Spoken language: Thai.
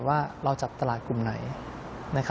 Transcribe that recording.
ว่าเราจับตลาดกลุ่มไหน